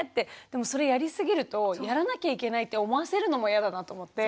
でもそれやりすぎるとやらなきゃいけないって思わせるのも嫌だなと思って。